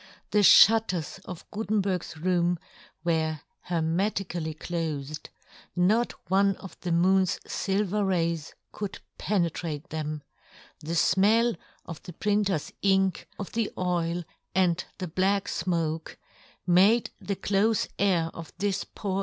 The fhutters of Gutenberg's room were hermetically clofed, not one of the moon's filver rays could penetrate them ; the fmell of the prin ter's ink, of the oil, and the black fmoke, made the clofe air of this poor John Gutenberg.